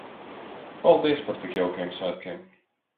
Paldies par tik jaukiem svētkiem!